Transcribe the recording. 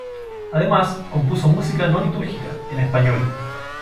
Además, compuso música no litúrgica, en español.